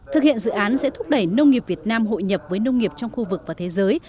thực hiện dự án sẽ thúc đẩy nông nghiệp việt nam hội nhập với nông nghiệp trong khu vực và thế giới